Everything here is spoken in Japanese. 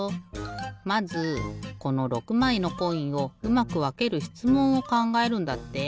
まずこの６まいのコインをうまくわけるしつもんをかんがえるんだって。